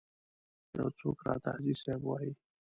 یو څوک راته حاجي صاحب وایي.